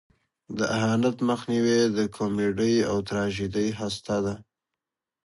د اهانت مخنیوی د کمیډۍ او تراژیدۍ هسته ده.